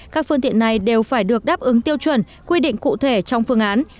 các phương tiện này đều phải được đáp ứng tiêu chuẩn quy định cụ thể trong phương án